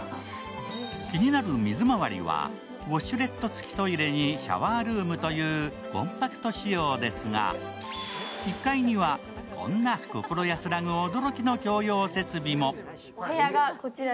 気になる水まわりはウォシュレット付きトイレにシャワールームというコンパクト仕様ですが、１階にはこんな心安らぐ驚きの共用設備も。